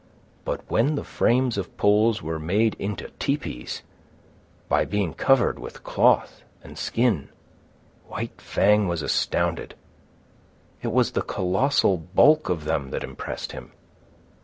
But when the frames of poles were made into tepees by being covered with cloth and skins, White Fang was astounded. It was the colossal bulk of them that impressed him.